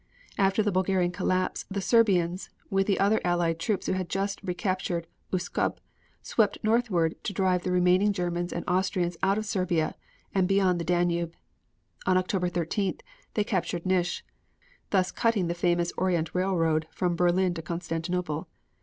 After the Bulgarian collapse the Serbians, with the other Allied troops who had just captured Uskub, swept northward to drive the remaining Germans and Austrians out of Serbia and beyond the Danube. On October 13th they captured Nish, thus cutting the famous Orient railroad from Berlin to Constantinople.